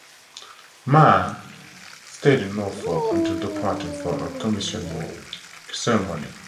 "Mahan" stayed in Norfolk until departing for her commissioning ceremony.